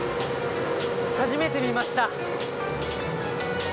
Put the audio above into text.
初めて見ました！